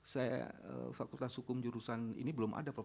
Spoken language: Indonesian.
saya fakultas hukum jurusan ini belum ada prof